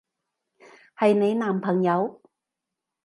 係你男朋友？